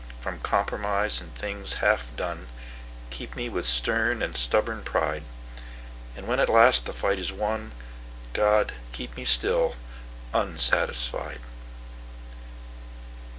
From compromise and things half done, Keep me with stern and stubborn pride; And when at last the fight is won, God, keep me still unsatisfied.